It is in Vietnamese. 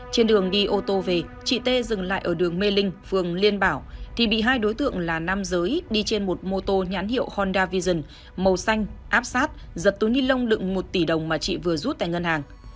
trên đường đi ô tô về chị tê dừng lại ở đường mê linh phường liên bảo thì bị hai đối tượng là nam giới đi trên một mô tô nhãn hiệu honda vision màu xanh áp sát giật túi ni lông đựng một tỷ đồng mà chị vừa rút tại ngân hàng